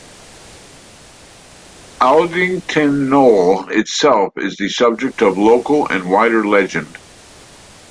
Aldington Knoll itself is the subject of local and wider legend.